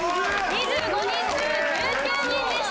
２５人中１９人でした。